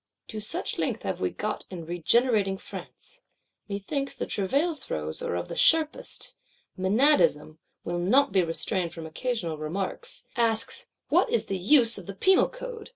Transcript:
To such length have we got in regenerating France. Methinks the travail throes are of the sharpest!—Menadism will not be restrained from occasional remarks; asks, 'What is use of the Penal Code?